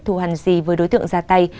thu hành gì với đối tượng ra tay